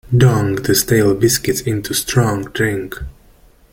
Dunk the stale biscuits into strong drink.